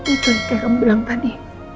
itu kayak kamu bilang tadi